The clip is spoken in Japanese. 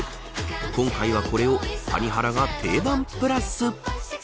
今回はこれを谷原がテイバンプラス。